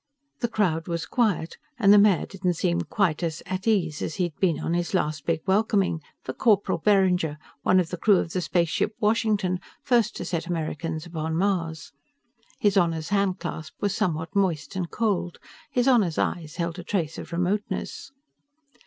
The crowd was quiet, and the mayor didn't seem quite as at ease as he'd been on his last big welcoming for Corporal Berringer, one of the crew of the spaceship Washington, first to set Americans upon Mars. His Honor's handclasp was somewhat moist and cold. His Honor's eyes held a trace of remoteness.